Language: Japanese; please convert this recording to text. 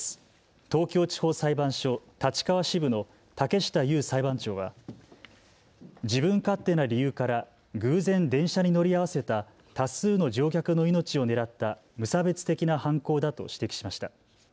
東京地方裁判所立川支部の竹下雄裁判長は自分勝手な理由から偶然、電車に乗り合わせた多数の乗客の命を狙った無差別的な犯行だと指摘しました。